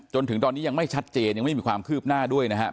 จนถึงตอนนี้ยังไม่ชัดเจนยังไม่มีความคืบหน้าด้วยนะครับ